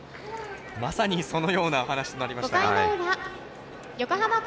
まさにそのような形になりました。